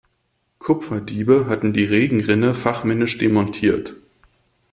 Kupferdiebe hatten die Regenrinne fachmännisch demontiert.